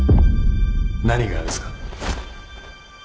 何がですか？